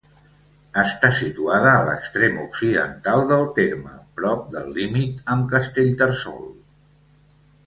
Està situada a l'extrem occidental del terme, prop del límit amb Castellterçol.